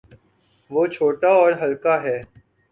وہ چھوٹا اور ہلکا ہے۔